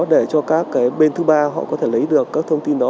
để cho các bên thứ ba có thể lấy được các thông tin đó